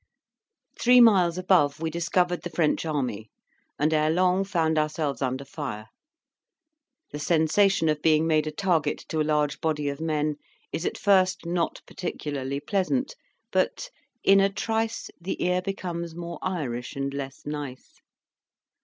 Three miles above, we discovered the French army, and ere long found ourselves under fire. The sensation of being made a target to a large body of men is at first not particularly pleasant, but "in a trice, the ear becomes more Irish and less nice."